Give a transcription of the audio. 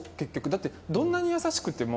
だってどんなに優しくても。